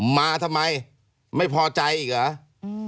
มาทำไมไม่พอใจอีกเหรอ